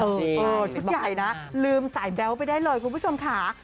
ชุดใหญ่นะลืมสายแบ๊วไปได้เลยคุณผู้ชมค่ะ